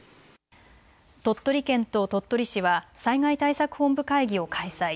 鳥取県と鳥取市は災害対策本部会議を開催。